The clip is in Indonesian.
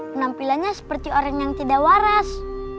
penampilannya seperti orang yang tidak waras